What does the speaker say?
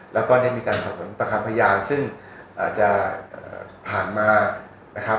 แล้วก็ได้มีการสับสนุนประคัมพยานซึ่งอาจจะผ่านมานะครับ